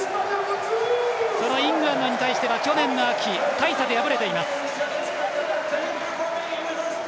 そのイングランドに対しては去年の秋大差で敗れています。